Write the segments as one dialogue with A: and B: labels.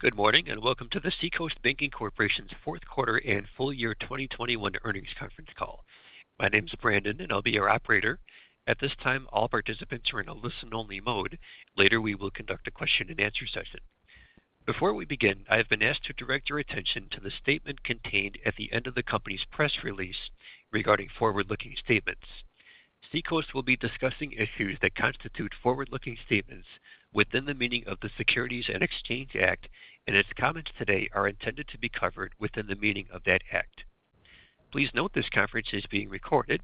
A: Good morning, and welcome to the Seacoast Banking Corporation's fourth quarter and full year 2021 earnings conference call. My name is Brandon, and I'll be your operator. At this time, all participants are in a listen only mode. Later, we will conduct a question-and-answer session. Before we begin, I have been asked to direct your attention to the statement contained at the end of the company's press release regarding forward-looking statements. Seacoast will be discussing issues that constitute forward-looking statements within the meaning of the Securities and Exchange Act, and its comments today are intended to be covered within the meaning of that act. Please note this conference is being recorded.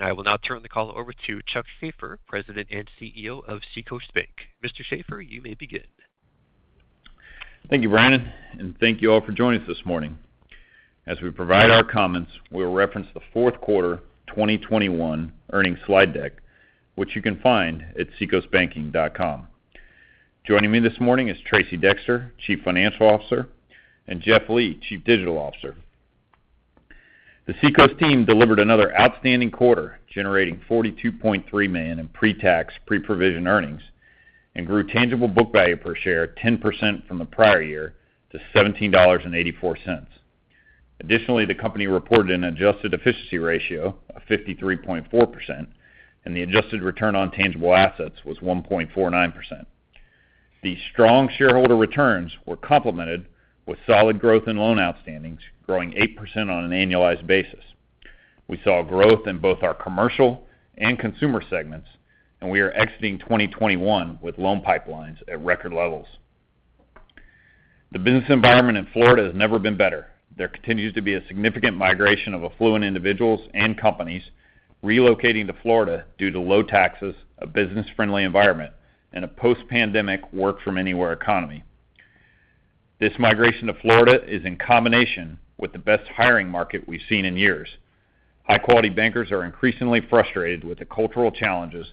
A: I will now turn the call over to Chuck Shaffer, President and CEO of Seacoast Bank. Mr. Shaffer, you may begin.
B: Thank you, Brandon, and thank you all for joining us this morning. As we provide our comments, we'll reference the fourth quarter 2021 earnings slide deck, which you can find at seacoastbanking.com. Joining me this morning is Tracey Dexter, Chief Financial Officer, and Jeff Lee, Chief Digital Officer. The Seacoast team delivered another outstanding quarter, generating $42.3 million in pre-tax, pre-provision earnings and grew tangible book value per share 10% from the prior year to $17.84. Additionally, the company reported an adjusted efficiency ratio of 53.4%, and the adjusted return on tangible assets was 1.49%. These strong shareholder returns were complemented with solid growth in loan outstandings, growing 8% on an annualized basis. We saw growth in both our commercial and consumer segments, and we are exiting 2021 with loan pipelines at record levels. The business environment in Florida has never been better. There continues to be a significant migration of affluent individuals and companies relocating to Florida due to low taxes, a business-friendly environment, and a post-pandemic work from anywhere economy. This migration to Florida is in combination with the best hiring market we've seen in years. High-quality bankers are increasingly frustrated with the cultural challenges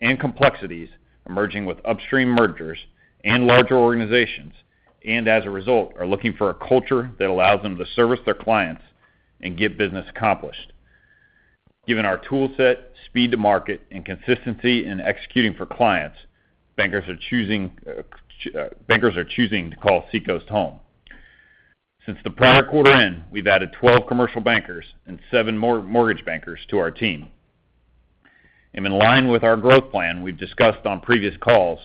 B: and complexities emerging with upstream mergers and larger organizations, and as a result, are looking for a culture that allows them to service their clients and get business accomplished. Given our tool set, speed to market, and consistency in executing for clients, bankers are choosing to call Seacoast home. Since the prior quarter end, we've added 12 commercial bankers and seven more mortgage bankers to our team. In line with our growth plan we've discussed on previous calls,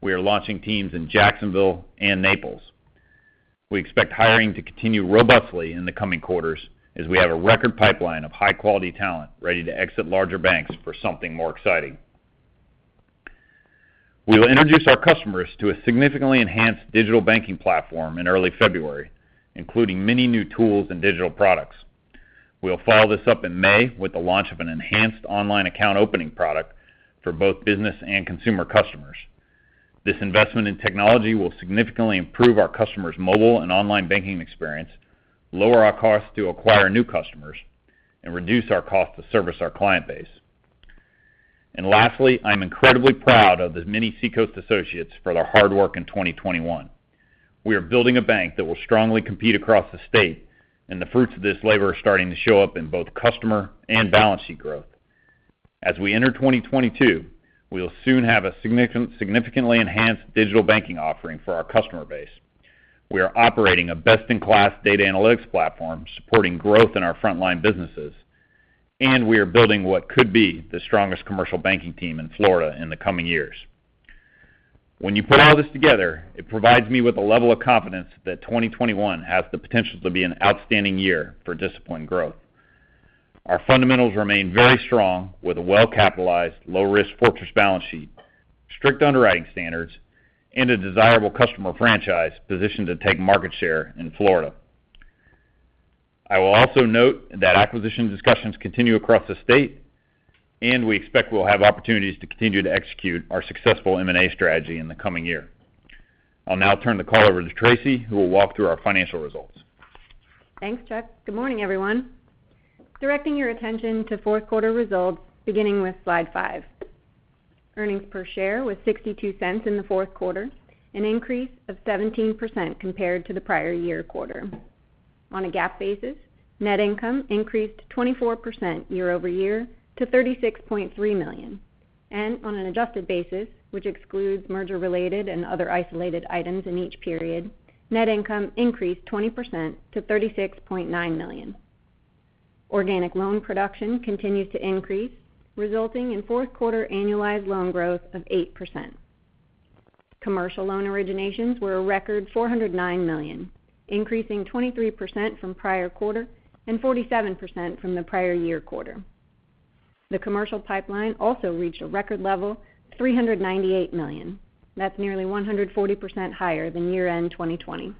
B: we are launching teams in Jacksonville and Naples. We expect hiring to continue robustly in the coming quarters as we have a record pipeline of high-quality talent ready to exit larger banks for something more exciting. We will introduce our customers to a significantly enhanced digital banking platform in early February, including many new tools and digital products. We'll follow this up in May with the launch of an enhanced online account opening product for both business and consumer customers. This investment in technology will significantly improve our customers' mobile and online banking experience, lower our cost to acquire new customers, and reduce our cost to service our client base. Lastly, I'm incredibly proud of the many Seacoast associates for their hard work in 2021. We are building a bank that will strongly compete across the state, and the fruits of this labor are starting to show up in both customer and balance sheet growth. As we enter 2022, we'll soon have a significantly enhanced digital banking offering for our customer base. We are operating a best-in-class data analytics platform supporting growth in our frontline businesses, and we are building what could be the strongest commercial banking team in Florida in the coming years. When you put all this together, it provides me with a level of confidence that 2021 has the potential to be an outstanding year for disciplined growth. Our fundamentals remain very strong with a well-capitalized, low-risk fortress balance sheet, strict underwriting standards, and a desirable customer franchise positioned to take market share in Florida. I will also note that acquisition discussions continue across the state, and we expect we'll have opportunities to continue to execute our successful M&A strategy in the coming year. I'll now turn the call over to Tracey, who will walk through our financial results.
C: Thanks, Chuck. Good morning, everyone. Directing your attention to fourth quarter results, beginning with Slide five. Earnings per share was $0.62 in the fourth quarter, an increase of 17% compared to the prior year quarter. On a GAAP basis, net income increased 24% year-over-year to $36.3 million. On an adjusted basis, which excludes merger-related and other isolated items in each period, net income increased 20% to $36.9 million. Organic loan production continued to increase, resulting in fourth quarter annualized loan growth of 8%. Commercial loan originations were a record $409 million, increasing 23% from prior quarter and 47% from the prior year quarter. The commercial pipeline also reached a record level, $398 million. That's nearly 140% higher than year-end 2020.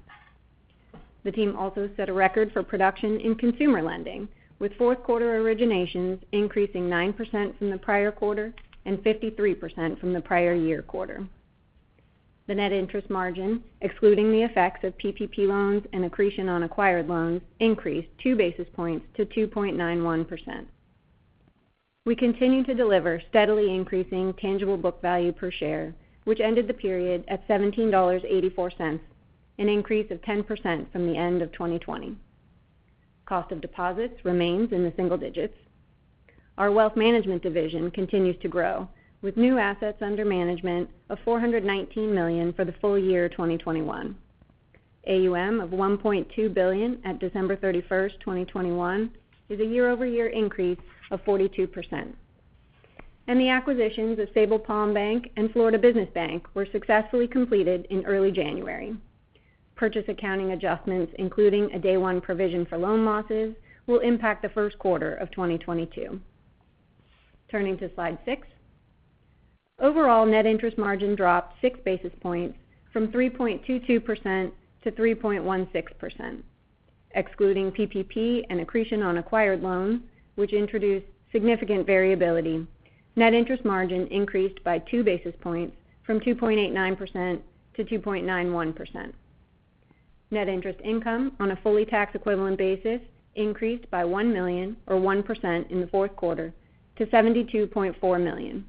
C: The team also set a record for production in consumer lending, with fourth quarter originations increasing 9% from the prior quarter and 53% from the prior year quarter. The net interest margin, excluding the effects of PPP loans and accretion on acquired loans, increased 2 basis points to 2.91%. We continue to deliver steadily increasing tangible book value per share, which ended the period at $17.84, an increase of 10% from the end of 2020. Cost of deposits remains in the single digits. Our wealth management division continues to grow, with new assets under management of $419 million for the full year 2021. AUM of $1.2 billion at December 31, 2021 is a year-over-year increase of 42%. The acquisitions of Sabal Palm Bank and Florida Business Bank were successfully completed in early January. Purchase accounting adjustments, including a day one provision for loan losses, will impact the first quarter of 2022. Turning to Slide six. Overall net interest margin dropped 6 basis points from 3.22% to 3.16%. Excluding PPP and accretion on acquired loans, which introduced significant variability, net interest margin increased by 2 basis points from 2.89% to 2.91%. Net interest income on a fully tax equivalent basis increased by $1 million or 1% in the fourth quarter to $72.4 million.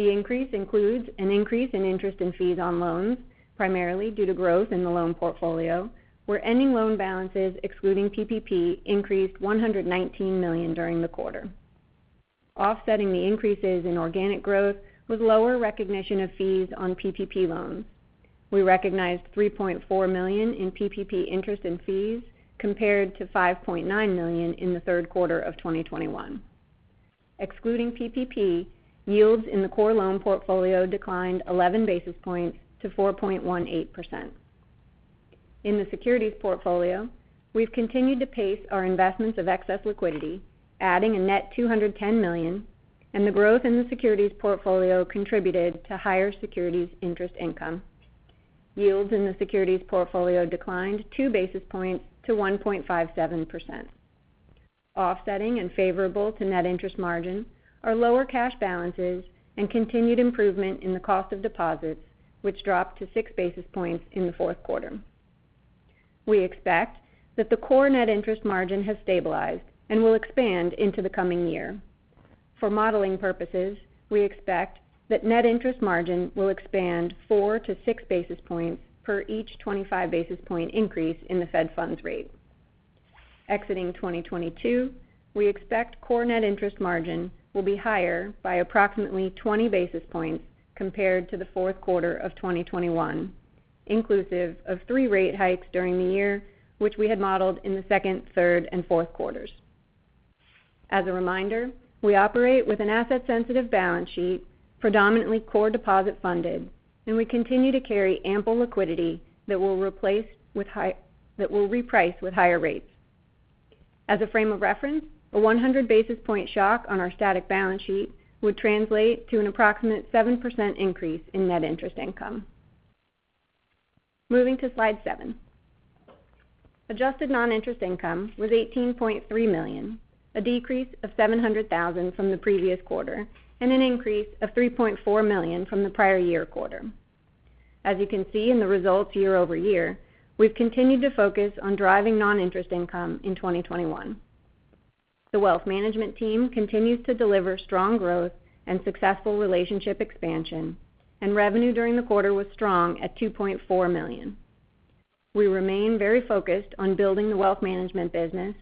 C: The increase includes an increase in interest and fees on loans, primarily due to growth in the loan portfolio, where ending loan balances excluding PPP increased $119 million during the quarter. Offsetting the increases in organic growth was lower recognition of fees on PPP loans. We recognized $3.4 million in PPP interest and fees compared to $5.9 million in the third quarter of 2021. Excluding PPP, yields in the core loan portfolio declined 11 basis points to 4.18%. In the securities portfolio, we've continued to pace our investments of excess liquidity, adding a net $210 million, and the growth in the securities portfolio contributed to higher securities interest income. Yields in the securities portfolio declined 2 basis points to 1.57%. Offsetting and favorable to net interest margin are lower cash balances and continued improvement in the cost of deposits, which dropped to 6 basis points in the fourth quarter. We expect that the core net interest margin has stabilized and will expand into the coming year. For modeling purposes, we expect that net interest margin will expand 4-6 basis points per each 25 basis point increase in the federal funds rate. Exiting 2022, we expect core net interest margin will be higher by approximately 20 basis points compared to the fourth quarter of 2021, inclusive of 3 rate hikes during the year, which we had modeled in the second, third, and fourth quarters. As a reminder, we operate with an asset-sensitive balance sheet, predominantly core deposit funded, and we continue to carry ample liquidity that will reprice with higher rates. As a frame of reference, a 100 basis point shock on our static balance sheet would translate to an approximate 7% increase in net interest income. Moving to Slide seven. Adjusted non-interest income was $18.3 million, a decrease of $700,000 from the previous quarter and an increase of $3.4 million from the prior year quarter. As you can see in the results year-over-year, we've continued to focus on driving non-interest income in 2021. The wealth management team continues to deliver strong growth and successful relationship expansion, and revenue during the quarter was strong at $2.4 million. We remain very focused on building the wealth management business,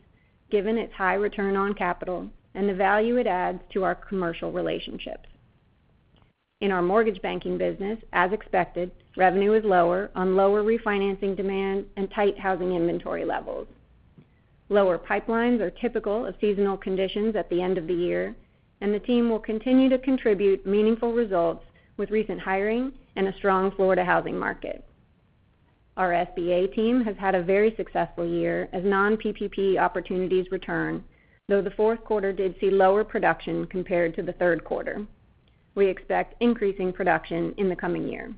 C: given its high return on capital and the value it adds to our commercial relationships. In our mortgage banking business, as expected, revenue was lower on lower refinancing demand and tight housing inventory levels. Lower pipelines are typical of seasonal conditions at the end of the year, and the team will continue to contribute meaningful results with recent hiring and a strong Florida housing market. Our SBA team has had a very successful year as non-PPP opportunities return, though the fourth quarter did see lower production compared to the third quarter. We expect increasing production in the coming year.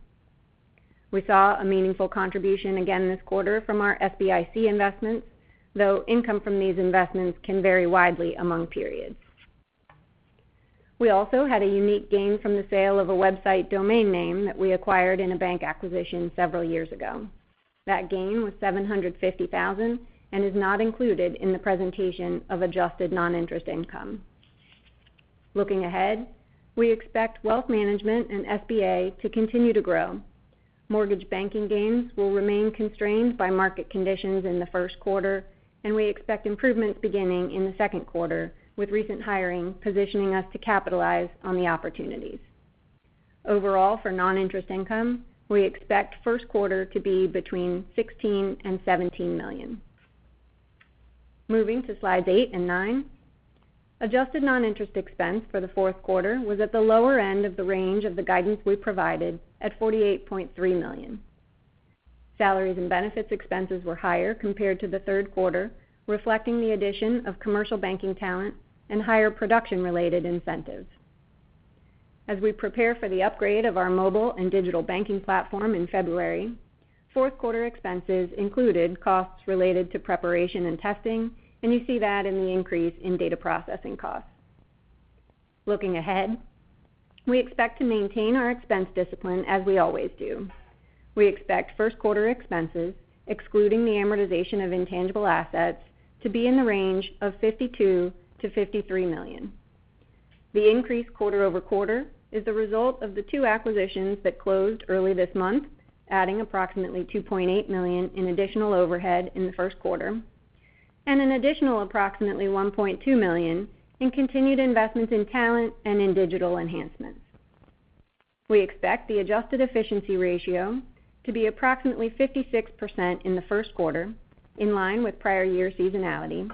C: We saw a meaningful contribution again this quarter from our SBIC investments, though income from these investments can vary widely among periods. We also had a unique gain from the sale of a website domain name that we acquired in a bank acquisition several years ago. That gain was $750,000 and is not included in the presentation of adjusted non-interest income. Looking ahead, we expect wealth management and SBA to continue to grow. Mortgage banking gains will remain constrained by market conditions in the first quarter, and we expect improvements beginning in the second quarter, with recent hiring positioning us to capitalize on the opportunities. Overall, for non-interest income, we expect first quarter to be between $16 million and $17 million. Moving to Slides eight and nine. Adjusted non-interest expense for the fourth quarter was at the lower end of the range of the guidance we provided at $48.3 million. Salaries and benefits expenses were higher compared to the third quarter, reflecting the addition of commercial banking talent and higher production-related incentives. As we prepare for the upgrade of our mobile and digital banking platform in February, fourth quarter expenses included costs related to preparation and testing, and you see that in the increase in data processing costs. Looking ahead, we expect to maintain our expense discipline as we always do. We expect first quarter expenses, excluding the amortization of intangible assets, to be in the range of $52 million-$53 million. The increase quarter-over-quarter is the result of the two acquisitions that closed early this month, adding approximately $2.8 million in additional overhead in the first quarter, and an additional approximately $1.2 million in continued investments in talent and in digital enhancements. We expect the adjusted efficiency ratio to be approximately 56% in the first quarter, in line with prior year seasonality,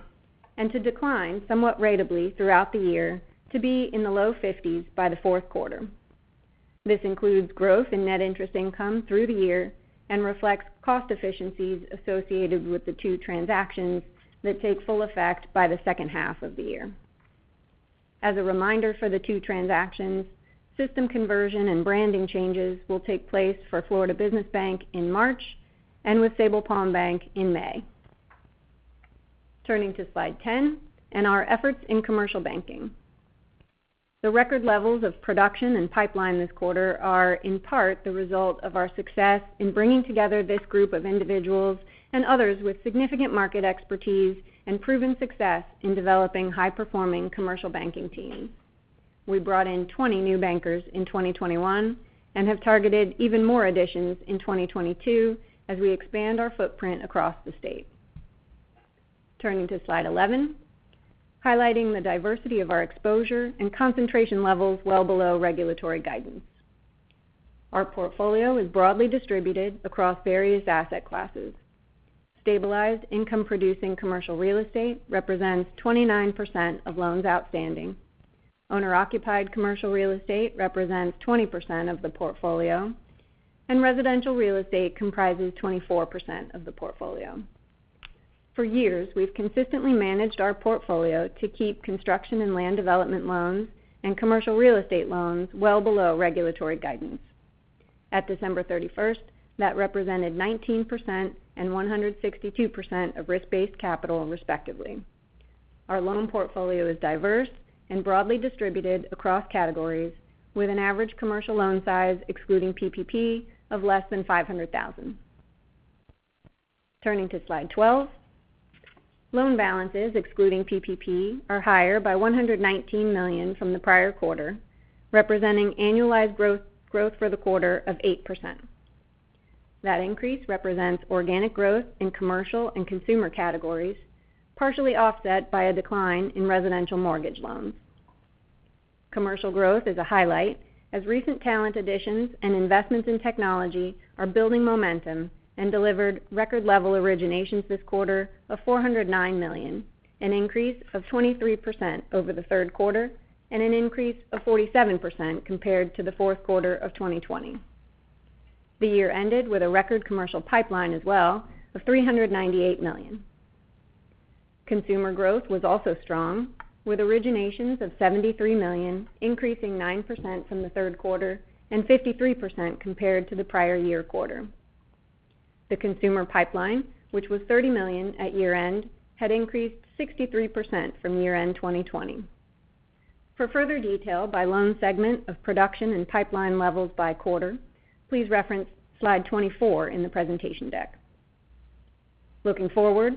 C: and to decline somewhat ratably throughout the year to be in the low 50s% by the fourth quarter. This includes growth in net interest income through the year and reflects cost efficiencies associated with the two transactions that take full effect by the second half of the year. As a reminder for the two transactions, system conversion and branding changes will take place for Florida Business Bank in March and with Sabal Palm Bank in May. Turning to Slide 10, our efforts in commercial banking. The record levels of production and pipeline this quarter are, in part, the result of our success in bringing together this group of individuals and others with significant market expertise and proven success in developing high-performing commercial banking teams. We brought in 20 new bankers in 2021 and have targeted even more additions in 2022 as we expand our footprint across the state. Turning to Slide 11, highlighting the diversity of our exposure and concentration levels well below regulatory guidance. Our portfolio is broadly distributed across various asset classes. Stabilized income-producing commercial real estate represents 29% of loans outstanding. Owner-occupied commercial real estate represents 20% of the portfolio, and residential real estate comprises 24% of the portfolio. For years, we've consistently managed our portfolio to keep construction and land development loans and commercial real estate loans well below regulatory guidance. At December 31, that represented 19% and 162% of risk-based capital, respectively. Our loan portfolio is diverse and broadly distributed across categories, with an average commercial loan size, excluding PPP, of less than $500,000. Turning to Slide 12, loan balances excluding PPP are higher by $119 million from the prior quarter, representing annualized growth for the quarter of 8%. That increase represents organic growth in commercial and consumer categories, partially offset by a decline in residential mortgage loans. Commercial growth is a highlight as recent talent additions and investments in technology are building momentum and delivered record level originations this quarter of $409 million, an increase of 23% over the third quarter and an increase of 47% compared to the fourth quarter of 2020. The year ended with a record commercial pipeline as well of $398 million. Consumer growth was also strong, with originations of $73 million increasing 9% from the third quarter and 53% compared to the prior year quarter. The consumer pipeline, which was $30 million at year-end, had increased 63% from year-end 2020. For further detail by loan segment of production and pipeline levels by quarter, please reference Slide 24 in the presentation deck. Looking forward,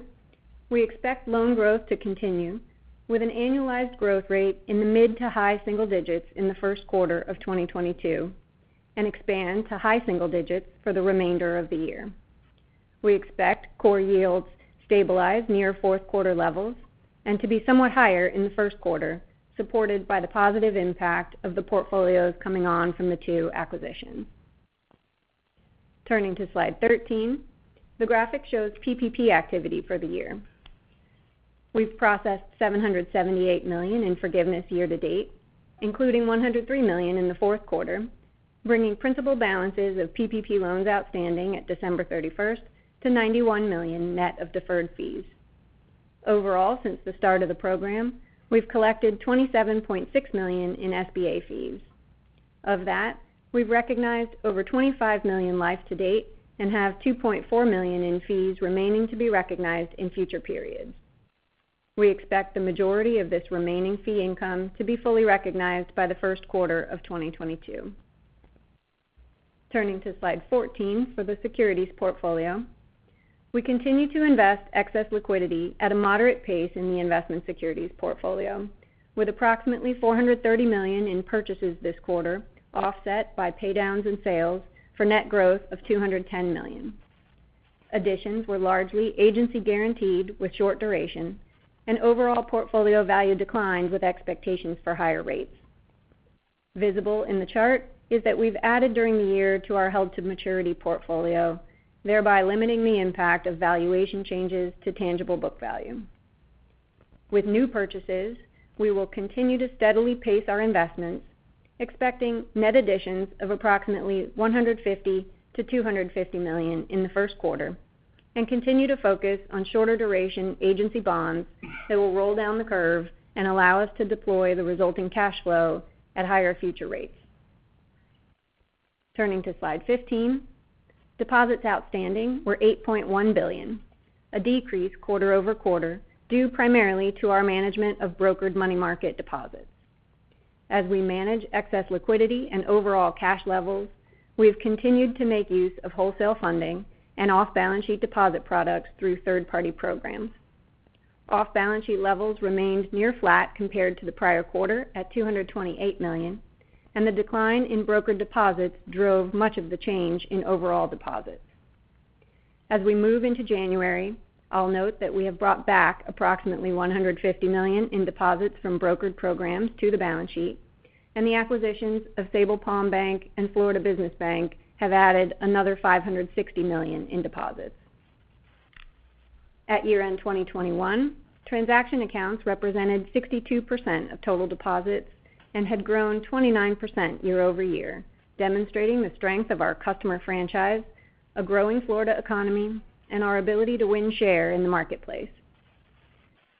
C: we expect loan growth to continue with an annualized growth rate in the mid to high single digits in the first quarter of 2022 and expand to high single digits for the remainder of the year. We expect core yields stabilize near fourth quarter levels and to be somewhat higher in the first quarter, supported by the positive impact of the portfolios coming on from the two acquisitions. Turning to Slide 13, the graphic shows PPP activity for the year. We've processed $778 million in forgiveness year to date, including $103 million in the fourth quarter, bringing principal balances of PPP loans outstanding at December 31 to $91 million net of deferred fees. Overall, since the start of the program, we've collected $27.6 million in SBA fees. Of that, we've recognized over $25 million life to date and have $2.4 million in fees remaining to be recognized in future periods. We expect the majority of this remaining fee income to be fully recognized by the first quarter of 2022. Turning to Slide 14 for the securities portfolio. We continue to invest excess liquidity at a moderate pace in the investment securities portfolio, with approximately $430 million in purchases this quarter, offset by pay downs and sales for net growth of $210 million. Additions were largely agency guaranteed with short duration and overall portfolio value declines with expectations for higher rates. Visible in the chart is that we've added during the year to our held to maturity portfolio, thereby limiting the impact of valuation changes to tangible book value. With new purchases, we will continue to steadily pace our investments, expecting net additions of approximately $150 million-$250 million in the first quarter, and continue to focus on shorter duration agency bonds that will roll down the curve and allow us to deploy the resulting cash flow at higher future rates. Turning to Slide 15, deposits outstanding were $8.1 billion, a decrease quarter-over-quarter, due primarily to our management of brokered money market deposits. As we manage excess liquidity and overall cash levels, we have continued to make use of wholesale funding and off-balance sheet deposit products through third-party programs. Off-balance sheet levels remained near flat compared to the prior quarter at $228 million, and the decline in brokered deposits drove much of the change in overall deposits. As we move into January, I'll note that we have brought back approximately $150 million in deposits from brokered programs to the balance sheet, and the acquisitions of Sabal Palm Bank and Florida Business Bank have added another $560 million in deposits. At year-end 2021, transaction accounts represented 62% of total deposits and had grown 29% year-over-year, demonstrating the strength of our customer franchise, a growing Florida economy, and our ability to win share in the marketplace.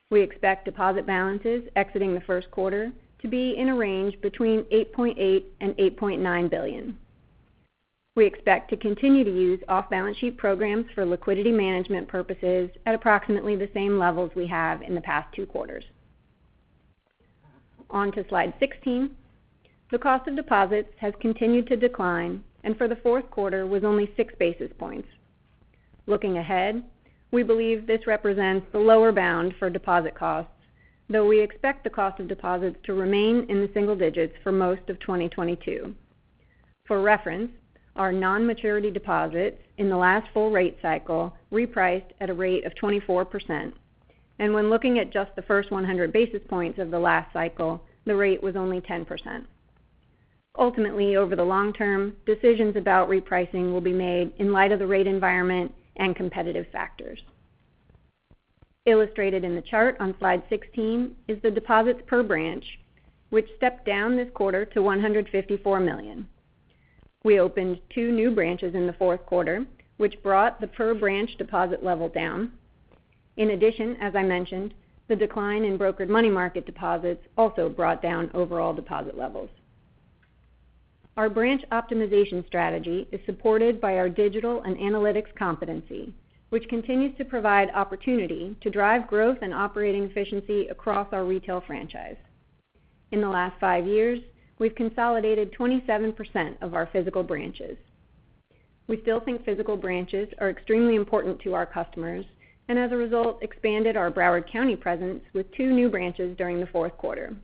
C: We expect deposit balances exiting the first quarter to be in a range between $8.8 billion and $8.9 billion. We expect to continue to use off-balance sheet programs for liquidity management purposes at approximately the same levels we have in the past two quarters. On to Slide 16. The cost of deposits has continued to decline, and for the fourth quarter was only 6 basis points. Looking ahead, we believe this represents the lower bound for deposit costs, though we expect the cost of deposits to remain in the single digits for most of 2022. For reference, our non-maturity deposits in the last full rate cycle repriced at a rate of 24%. When looking at just the first 100 basis points of the last cycle, the rate was only 10%. Ultimately, over the long term, decisions about repricing will be made in light of the rate environment and competitive factors. Illustrated in the chart on Slide 16 is the deposits per branch, which stepped down this quarter to $154 million. We opened 2 new branches in the fourth quarter, which brought the per-branch deposit level down. In addition, as I mentioned, the decline in brokered money market deposits also brought down overall deposit levels. Our branch optimization strategy is supported by our digital and analytics competency, which continues to provide opportunity to drive growth and operating efficiency across our retail franchise. In the last five years, we've consolidated 27% of our physical branches. We still think physical branches are extremely important to our customers, and as a result, expanded our Broward County presence with two new branches during the fourth quarter.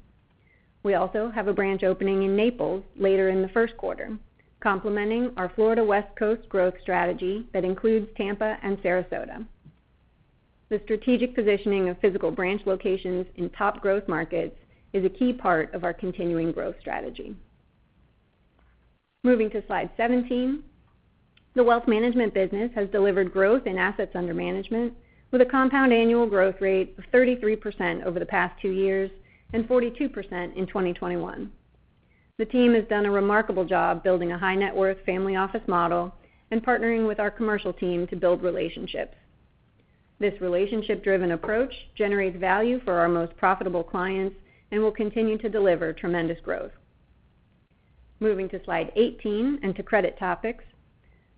C: We also have a branch opening in Naples later in the first quarter, complementing our Florida West Coast growth strategy that includes Tampa and Sarasota. The strategic positioning of physical branch locations in top growth markets is a key part of our continuing growth strategy. Moving to Slide 17. The wealth management business has delivered growth in assets under management with a compound annual growth rate of 33% over the past two years and 42% in 2021. The team has done a remarkable job building a high-net-worth family office model and partnering with our commercial team to build relationships. This relationship-driven approach generates value for our most profitable clients and will continue to deliver tremendous growth. Moving to Slide 18 and to credit topics.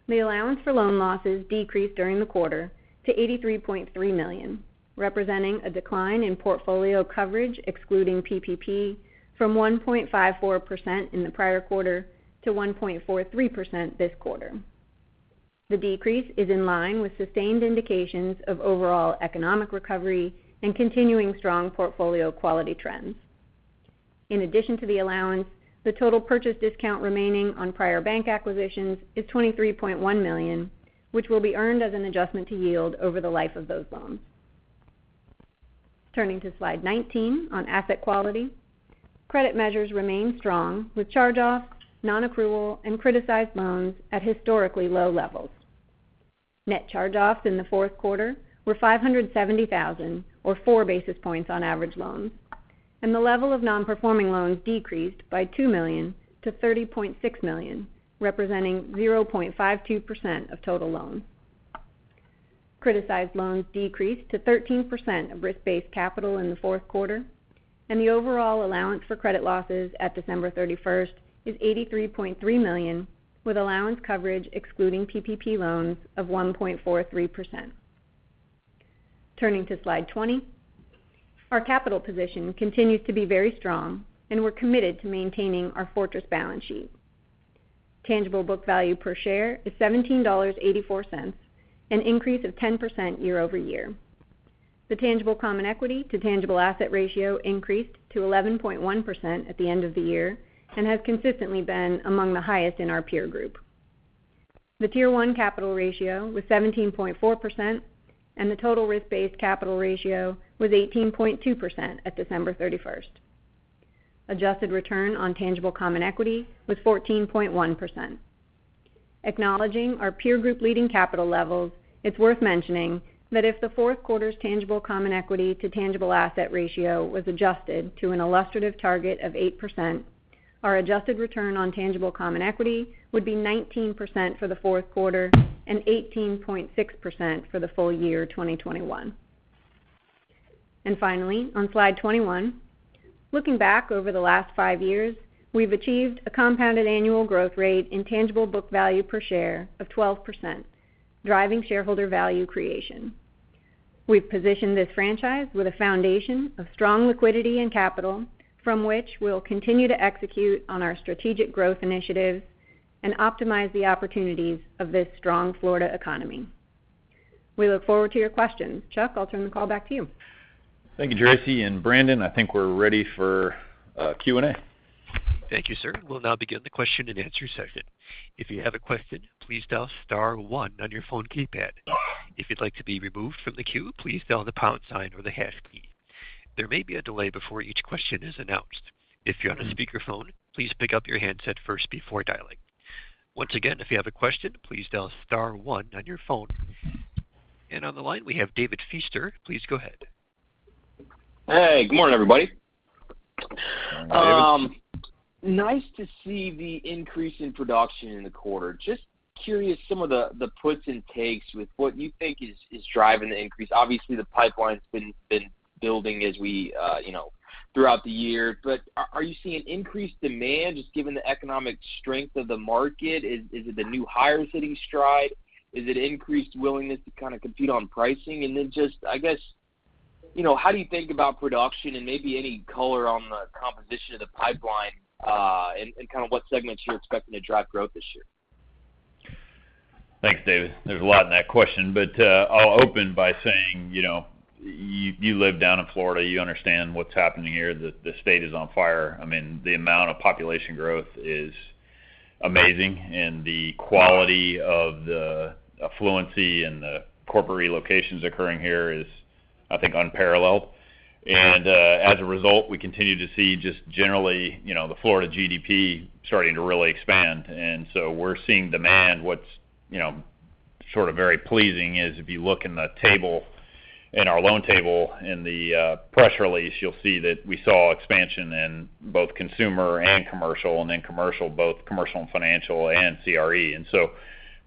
C: The allowance for loan losses decreased during the quarter to $83.3 million, representing a decline in portfolio coverage, excluding PPP, from 1.54% in the prior quarter to 1.43% this quarter. The decrease is in line with sustained indications of overall economic recovery and continuing strong portfolio quality trends. In addition to the allowance, the total purchase discount remaining on prior bank acquisitions is $23.1 million, which will be earned as an adjustment to yield over the life of those loans. Turning to Slide 19 on asset quality. Credit measures remain strong with charge-offs, nonaccrual, and criticized loans at historically low levels. Net charge-offs in the fourth quarter were $570,000 or 4 basis points on average loans, and the level of nonperforming loans decreased by $2 million to $30.6 million, representing 0.52% of total loans. Criticized loans decreased to 13% of risk-based capital in the fourth quarter, and the overall allowance for credit losses at December 31 is $83.3 million, with allowance coverage excluding PPP loans of 1.43%. Turning to Slide 20. Our capital position continues to be very strong, and we're committed to maintaining our fortress balance sheet. Tangible book value per share is $17.84, an increase of 10% year-over-year. The tangible common equity to tangible asset ratio increased to 11.1% at the end of the year and has consistently been among the highest in our peer group. The Tier 1 capital ratio was 17.4%, and the total risk-based capital ratio was 18.2% at December 31st. Adjusted return on tangible common equity was 14.1%. Acknowledging our peer group leading capital levels, it's worth mentioning that if the fourth quarter's tangible common equity to tangible asset ratio was adjusted to an illustrative target of 8%, our adjusted return on tangible common equity would be 19% for the fourth quarter and 18.6% for the full year 2021. Finally, on Slide 21. Looking back over the last five years, we've achieved a compounded annual growth rate in tangible book value per share of 12%, driving shareholder value creation. We've positioned this franchise with a foundation of strong liquidity and capital from which we'll continue to execute on our strategic growth initiatives and optimize the opportunities of this strong Florida economy. We look forward to your questions. Chuck, I'll turn the call back to you.
B: Thank you, Tracy and Brandon. I think we're ready for Q&A.
A: Thank you, sir. We'll now begin the question-and-answer session. If you have a question, please dial star one on your phone keypad. If you'd like to be removed from the queue, please dial the pound sign or the hash key. There may be a delay before each question is announced. If you're on a speakerphone, please pick up your handset first before dialing. Once again, if you have a question, please dial star one on your phone. On the line, we have David Feaster. Please go ahead.
D: Hey, good morning, everybody.
B: Good morning, David.
D: Nice to see the increase in production in the quarter. Just curious, some of the puts and takes with what you think is driving the increase. Obviously, the pipeline's been building as we, you know, throughout the year. Are you seeing increased demand, just given the economic strength of the market? Is it the new hires hitting stride? Is it increased willingness to kind of compete on pricing? Then just, I guess, you know, how do you think about production and maybe any color on the composition of the pipeline, and kind of what segments you're expecting to drive growth this year?
B: Thanks, David. There's a lot in that question, but I'll open by saying, you know, you live down in Florida, you understand what's happening here. The state is on fire. I mean, the amount of population growth is amazing, and the quality of the affluency and the corporate relocations occurring here is, I think, unparalleled. As a result, we continue to see just generally, you know, the Florida GDP starting to really expand. We're seeing demand. What's, you know, sort of very pleasing is if you look in the table, in our loan table in the press release, you'll see that we saw expansion in both consumer and commercial, and then both commercial and financial and CRE.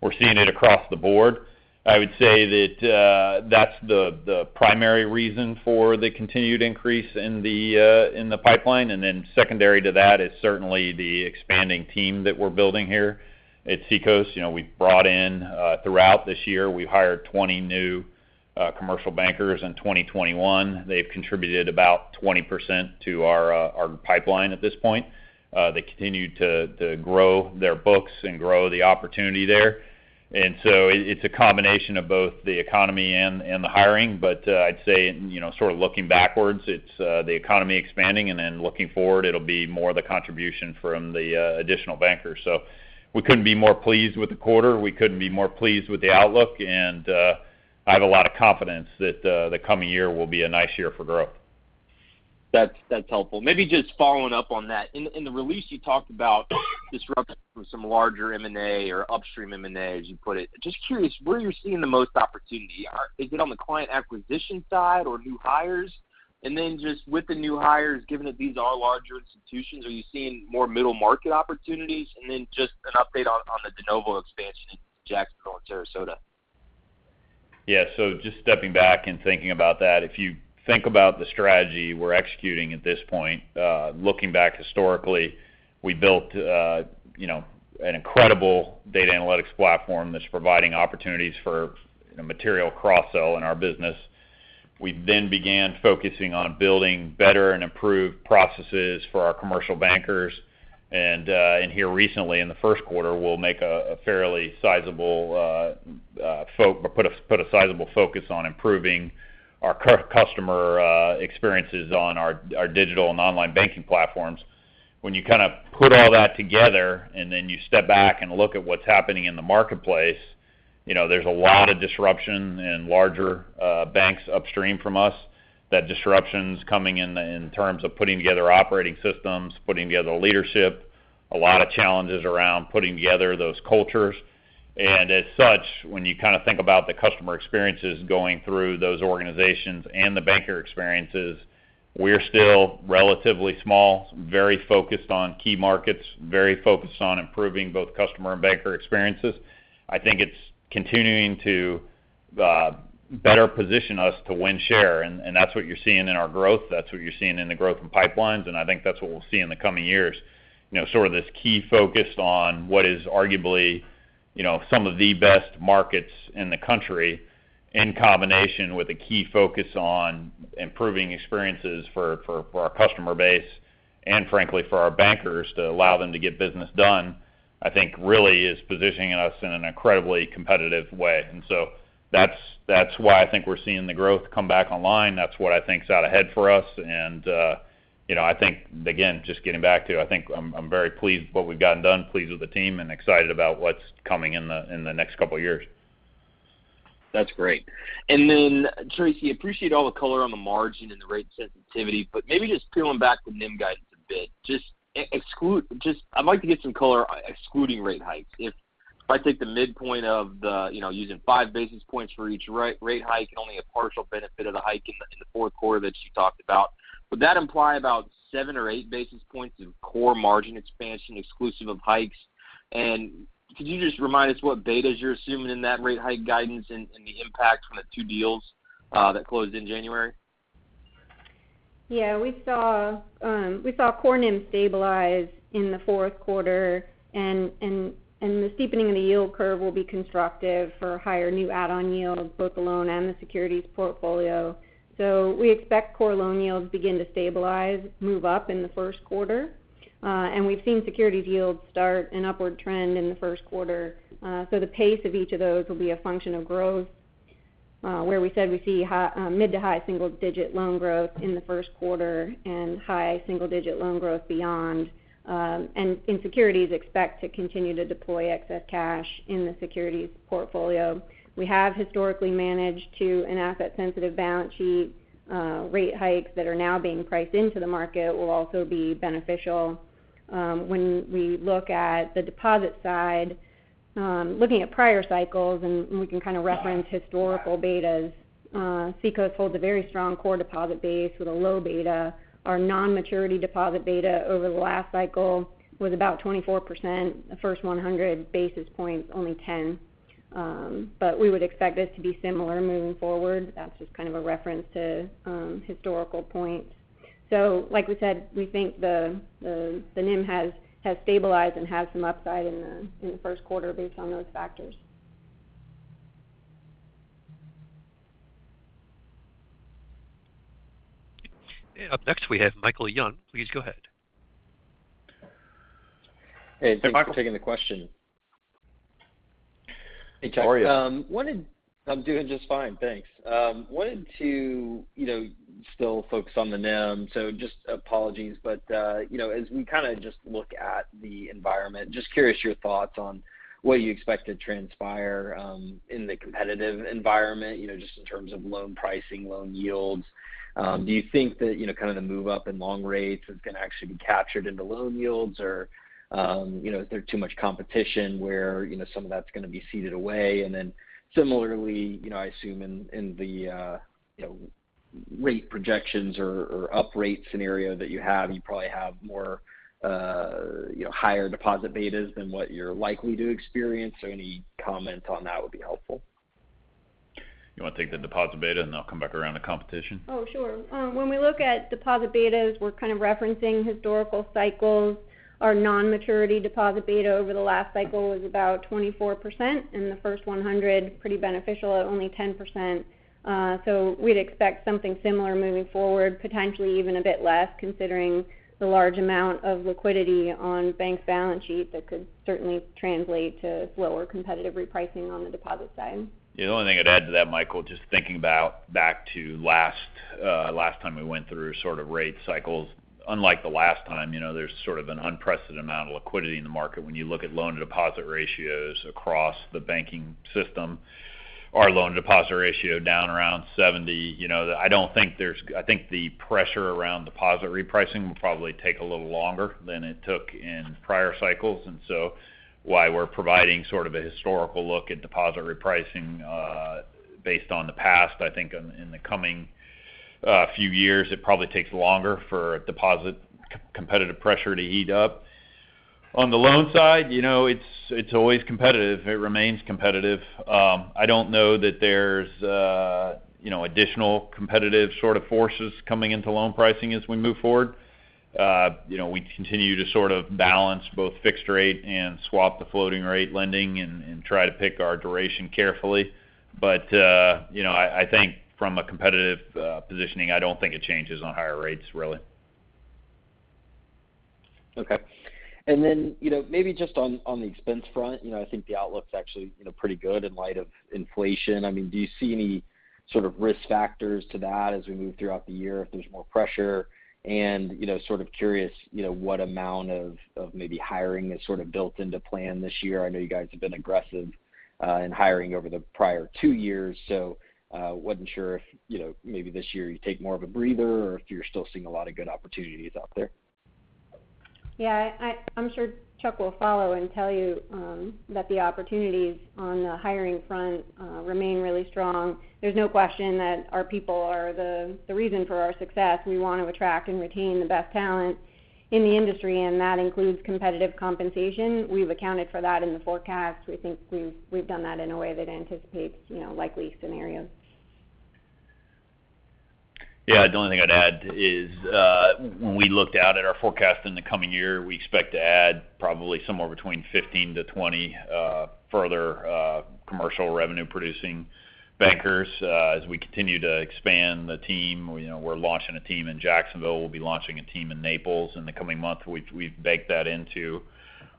B: We're seeing it across the board. I would say that that's the primary reason for the continued increase in the pipeline. Then secondary to that is certainly the expanding team that we're building here at Seacoast. You know, we've brought in throughout this year, we've hired 20 new commercial bankers in 2021. They've contributed about 20% to our pipeline at this point. They continue to grow their books and grow the opportunity there. It's a combination of both the economy and the hiring. I'd say, you know, sort of looking backwards, it's the economy expanding, and then looking forward, it'll be more the contribution from the additional bankers. We couldn't be more pleased with the quarter, we couldn't be more pleased with the outlook, and I have a lot of confidence that the coming year will be a nice year for growth.
D: That's helpful. Maybe just following up on that. In the release you talked about disrupting from some larger M&A or upstream M&A, as you put it. Just curious, where are you seeing the most opportunity? Is it on the client acquisition side or new hires? Just with the new hires, given that these are larger institutions, are you seeing more middle market opportunities? Just an update on the de novo expansion in Jacksonville and Sarasota.
B: Yeah. Just stepping back and thinking about that. If you think about the strategy we're executing at this point, looking back historically, we built, you know, an incredible data analytics platform that's providing opportunities for material cross-sell in our business. We then began focusing on building better and improved processes for our commercial bankers. Here recently in the first quarter, we'll put a fairly sizable focus on improving our customer experiences on our digital and online banking platforms. When you kind of put all that together and then you step back and look at what's happening in the marketplace, you know, there's a lot of disruption in larger banks upstream from us. That disruption's coming in terms of putting together operating systems, putting together leadership, a lot of challenges around putting together those cultures. As such, when you kind of think about the customer experiences going through those organizations and the banker experiences, we're still relatively small, very focused on key markets, very focused on improving both customer and banker experiences. I think it's continuing to better position us to win share, and that's what you're seeing in our growth, that's what you're seeing in the growth in pipelines, and I think that's what we'll see in the coming years. You know, sort of this key focus on what is arguably, you know, some of the best markets in the country, in combination with a key focus on improving experiences for our customer base and frankly for our bankers to allow them to get business done, I think really is positioning us in an incredibly competitive way. That's why I think we're seeing the growth come back online. That's what I think is out ahead for us. You know, I think, again, just getting back to, I think I'm very pleased what we've gotten done, pleased with the team, and excited about what's coming in the next couple of years.
D: That's great. Tracy, appreciate all the color on the margin and the rate sensitivity, but maybe just peeling back the NIM guidance a bit. Just, I'd like to get some color excluding rate hikes. If I take the midpoint of the, you know, using five basis points for each rate hike and only a partial benefit of the hike in the fourth quarter that you talked about, would that imply about seven or eight basis points of core margin expansion exclusive of hikes? Could you just remind us what betas you're assuming in that rate hike guidance and the impact from the two deals that closed in January?
C: Yeah, we saw core NIM stabilize in the fourth quarter, and the steepening of the yield curve will be constructive for higher new add-on yields, both the loan and the securities portfolio. We expect core loan yields begin to stabilize, move up in the first quarter. We've seen securities yields start an upward trend in the first quarter. The pace of each of those will be a function of growth, where we said we see mid to high single digit loan growth in the first quarter and high single digit loan growth beyond. In securities, expect to continue to deploy excess cash in the securities portfolio. We have historically managed to an asset sensitive balance sheet. Rate hikes that are now being priced into the market will also be beneficial. When we look at the deposit side, looking at prior cycles, and we can kind of reference historical betas, Seacoast holds a very strong core deposit base with a low beta. Our non-maturity deposit beta over the last cycle was about 24%. The first 100 basis points, only 10. We would expect this to be similar moving forward. That's just kind of a reference to historical points. Like we said, we think the NIM has stabilized and has some upside in the first quarter based on those factors.
A: Up next, we have Michael Young. Please go ahead.
E: Hey, thanks for taking the question.
B: Hey, Michael. How are you?
E: Hey, Chuck. I'm doing just fine, thanks. Wanted to, you know, still focus on the NIM, so just apologies. You know, as we kind of just look at the environment, just curious your thoughts on what you expect to transpire in the competitive environment, you know, just in terms of loan pricing, loan yields. Do you think that, you know, kind of the move up in loan rates is going to actually be captured into loan yields? Or, you know, is there too much competition where, you know, some of that's going to be ceded away? And then similarly, you know, I assume in the rate projections or uprate scenario that you have, you probably have more, you know, higher deposit betas than what you're likely to experience. So any comments on that would be helpful.
B: You want to take the deposit beta, and then I'll come back around to competition?
C: Oh, sure. When we look at deposit betas, we're kind of referencing historical cycles. Our non-maturity deposit beta over the last cycle was about 24%. In the first 100, pretty beneficial at only 10%. We'd expect something similar moving forward, potentially even a bit less, considering the large amount of liquidity on banks' balance sheets that could certainly translate to lower competitive repricing on the deposit side.
B: The only thing I'd add to that, Michael, just thinking back to last time we went through sort of rate cycles. Unlike the last time, you know, there's sort of an unprecedented amount of liquidity in the market when you look at loan-to-deposit ratios across the banking system. Our loan-to-deposit ratio down around 70. You know, I think the pressure around deposit repricing will probably take a little longer than it took in prior cycles, and so why we're providing sort of a historical look at deposit repricing based on the past. I think in the coming few years, it probably takes longer for deposit competitive pressure to heat up. On the loan side, you know, it's always competitive. It remains competitive. I don't know that there's, you know, additional competitive sort of forces coming into loan pricing as we move forward. You know, we continue to sort of balance both fixed rate and swap-to floating rate lending and try to pick our duration carefully. You know, I think from a competitive positioning, I don't think it changes on higher rates really.
E: Okay. You know, maybe just on the expense front, you know, I think the outlook's actually, you know, pretty good in light of inflation. I mean, do you see any sort of risk factors to that as we move throughout the year if there's more pressure? You know, sort of curious, you know, what amount of maybe hiring is sort of built into plan this year. I know you guys have been aggressive in hiring over the prior two years, so wasn't sure if, you know, maybe this year you take more of a breather or if you're still seeing a lot of good opportunities out there.
C: Yeah. I'm sure Chuck will follow and tell you that the opportunities on the hiring front remain really strong. There's no question that our people are the reason for our success. We want to attract and retain the best talent in the industry, and that includes competitive compensation. We've accounted for that in the forecast. We think we've done that in a way that anticipates, you know, likely scenarios.
B: Yeah. The only thing I'd add is, when we looked out at our forecast in the coming year, we expect to add probably somewhere between 15-20 further commercial revenue producing bankers as we continue to expand the team. You know, we're launching a team in Jacksonville. We'll be launching a team in Naples in the coming month. We've baked that into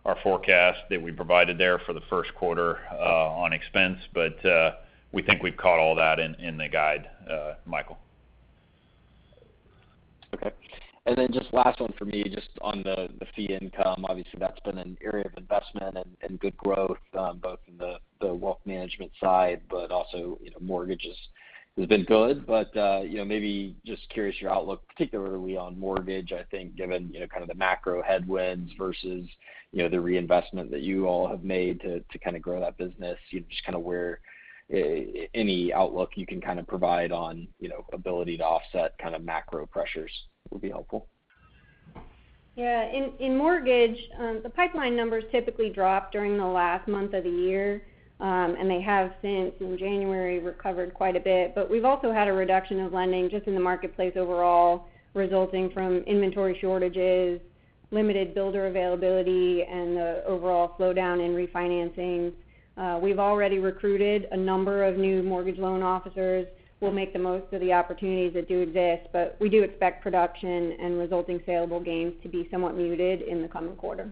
B: our forecast that we provided there for the first quarter on expense, but we think we've caught all that in the guide, Michael.
E: Okay. Then just last one for me, just on the fee income. Obviously, that's been an area of investment and good growth, both in the wealth management side, but also, you know, mortgages has been good. You know, maybe just curious your outlook particularly on mortgage, I think given, you know, kind of the macro headwinds versus, you know, the reinvestment that you all have made to kind of grow that business. You know, just kind of where any outlook you can kind of provide on, you know, ability to offset kind of macro pressures would be helpful.
C: Yeah. In mortgage, the pipeline numbers typically drop during the last month of the year, and they have since in January recovered quite a bit. We've also had a reduction of lending just in the marketplace overall resulting from inventory shortages, limited builder availability, and the overall slowdown in refinancing. We've already recruited a number of new mortgage loan officers. We'll make the most of the opportunities that do exist, but we do expect production and resulting saleable gains to be somewhat muted in the coming quarter.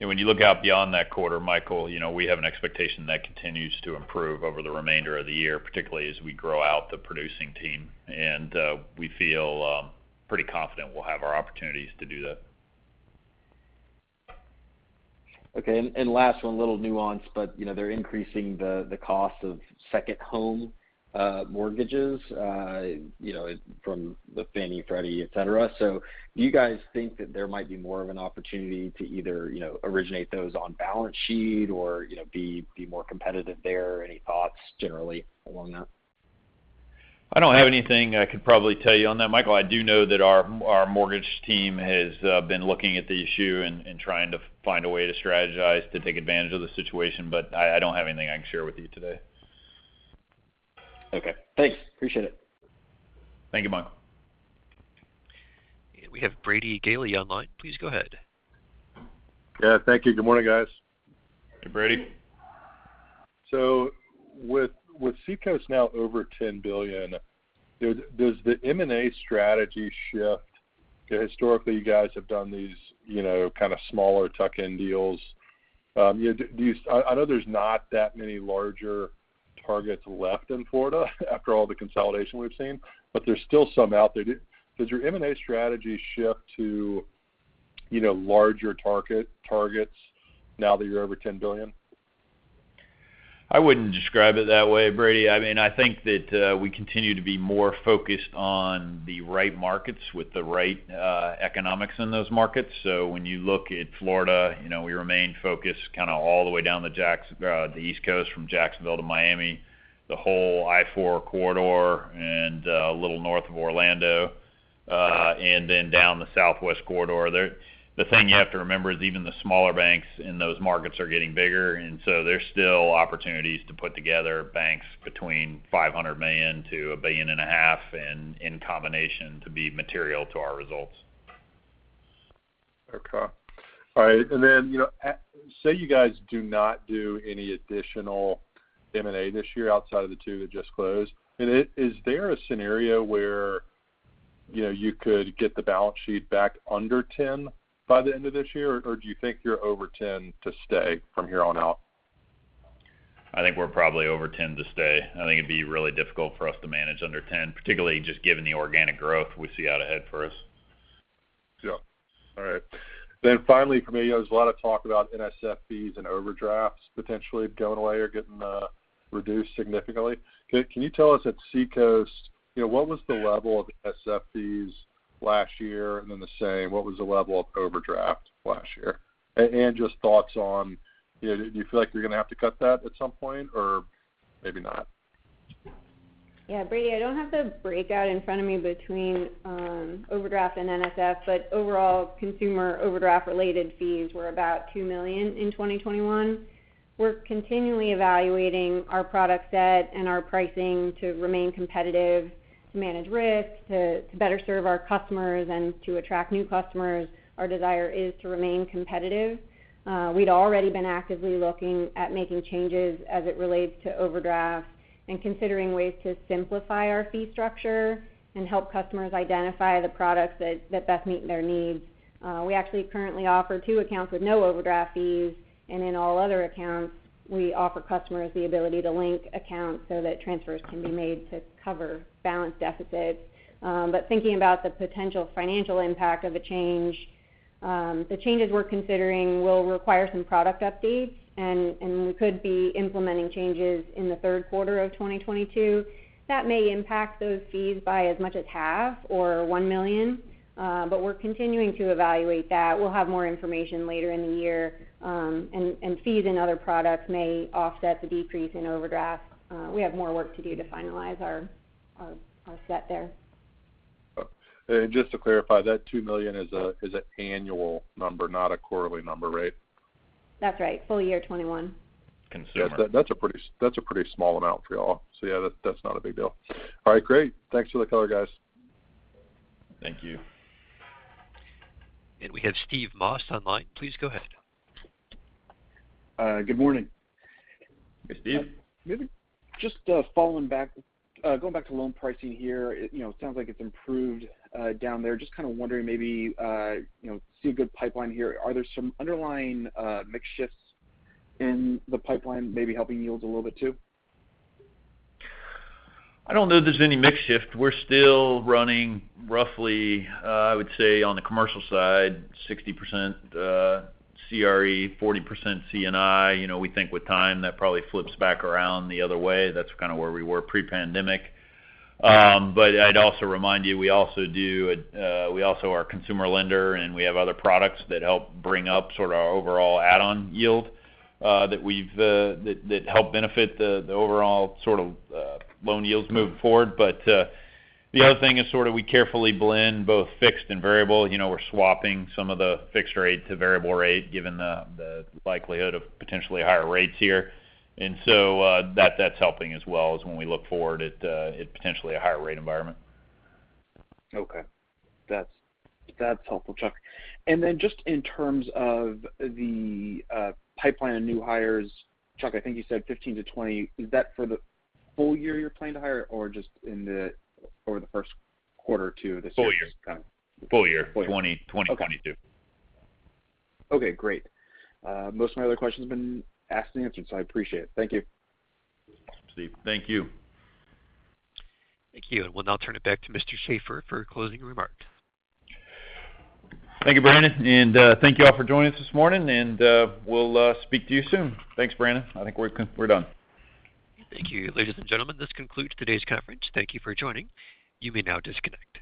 B: When you look out beyond that quarter, Michael, you know, we have an expectation that continues to improve over the remainder of the year, particularly as we grow out the producing team. We feel pretty confident we'll have our opportunities to do that.
E: Okay. Last one, a little nuance, but you know, they're increasing the cost of second home mortgages, you know, from the Fannie, Freddie, et cetera. Do you guys think that there might be more of an opportunity to either, you know, originate those on balance sheet or, you know, be more competitive there? Any thoughts generally along that?
B: I don't have anything I could probably tell you on that, Michael. I do know that our mortgage team has been looking at the issue and trying to find a way to strategize to take advantage of the situation, but I don't have anything I can share with you today.
E: Okay. Thanks. Appreciate it.
B: Thank you, Michael.
A: We have Brady Gailey online. Please go ahead.
F: Yeah, thank you. Good morning, guys.
B: Hey, Brady.
F: With Seacoast now over $10 billion, does the M&A strategy shift? Historically, you guys have done these, you know, kind of smaller tuck-in deals. You know, I know there's not that many larger targets left in Florida after all the consolidation we've seen, but there's still some out there. Does your M&A strategy shift to, you know, larger targets now that you're over $10 billion?
B: I wouldn't describe it that way, Brady. I mean, I think that we continue to be more focused on the right markets with the right economics in those markets. When you look at Florida, you know, we remain focused kind of all the way down the East Coast from Jacksonville to Miami, the whole I-4 corridor and little north of Orlando.
F: Okay
B: down the southwest corridor. The thing you have to remember is even the smaller banks in those markets are getting bigger, and so there's still opportunities to put together banks between $500 million-$1.5 billion in combination to be material to our results.
F: Okay. All right. Say you guys do not do any additional M&A this year outside of the 2 that just closed, is there a scenario where, you know, you could get the balance sheet back under 10 by the end of this year? Or do you think you're over 10 to stay from here on out?
B: I think we're probably over 10 to stay. I think it'd be really difficult for us to manage under 10, particularly just given the organic growth we see out ahead for us.
F: Yeah. All right. Finally for me, there was a lot of talk about NSF fees and overdrafts potentially going away or getting reduced significantly. Can you tell us at Seacoast, you know, what was the level of NSF fees last year? And then the same, what was the level of overdraft last year? And just thoughts on, you know, do you feel like you're gonna have to cut that at some point, or maybe not?
C: Yeah. Brady, I don't have the breakout in front of me between overdraft and NSF, but overall, consumer overdraft-related fees were about $2 million in 2021. We're continually evaluating our product set and our pricing to remain competitive, to manage risk, to better serve our customers, and to attract new customers. Our desire is to remain competitive. We'd already been actively looking at making changes as it relates to overdraft and considering ways to simplify our fee structure and help customers identify the products that best meet their needs. We actually currently offer two accounts with no overdraft fees, and in all other accounts, we offer customers the ability to link accounts so that transfers can be made to cover balance deficits. Thinking about the potential financial impact of a change, the changes we're considering will require some product updates and we could be implementing changes in the third quarter of 2022. That may impact those fees by as much as $0.5 million or $1 million, but we're continuing to evaluate that. We'll have more information later in the year. Fees and other products may offset the decrease in overdraft. We have more work to do to finalize our set there.
F: Okay. Just to clarify, that $2 million is an annual number, not a quarterly number, right?
C: That's right. Full year 2021.
B: Consumer.
F: Yeah. That's a pretty small amount for y'all. Yeah, that's not a big deal. All right, great. Thanks for the color, guys.
B: Thank you.
A: We have Steve Moss online. Please go ahead.
G: Good morning.
B: Hey, Steve.
G: Maybe just going back to loan pricing here, it, you know, sounds like it's improved down there. Just kind of wondering, maybe, you know, we see a good pipeline here. Are there some underlying mix shifts in the pipeline maybe helping yields a little bit too?
B: I don't know if there's any mix shift. We're still running roughly, I would say on the commercial side, 60% CRE, 40% C&I. You know, we think with time, that probably flips back around the other way. That's kind of where we were pre-pandemic. I'd also remind you, we also are a consumer lender, and we have other products that help bring up sort of our overall add-on yield, that help benefit the overall sort of loan yields moving forward. The other thing is sort of we carefully blend both fixed and variable. You know, we're swapping some of the fixed rate to variable rate given the likelihood of potentially higher rates here. That's helping as well as when we look forward at potentially a higher rate environment.
G: Okay. That's helpful, Chuck. Just in terms of the pipeline of new hires, Chuck, I think you said 15-20. Is that for the full year you're planning to hire or just over the first quarter or two of this year?
B: Full year.
G: Got it.
B: Full year.
G: Full year.
B: 2022.
G: Okay. Okay, great. Most of my other questions have been asked and answered, so I appreciate it. Thank you.
B: Steve, thank you.
A: Thank you. We'll now turn it back to Mr. Shaffer for closing remarks.
B: Thank you, Brandon. Thank you all for joining us this morning, and we'll speak to you soon. Thanks, Brandon. I think we're done.
A: Thank you. Ladies and gentlemen, this concludes today's conference. Thank you for joining. You may now disconnect.